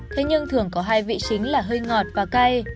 thế nhưng thường có hai vị chính là hơi ngọt và cay